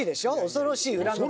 恐ろしい裏の顔